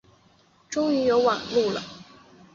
终于有网路了